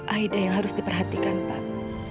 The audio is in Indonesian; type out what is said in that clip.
akhirnya yang harus diperhatikan pak